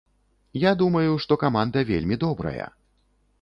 Я думаю, што каманда вельмі добрая.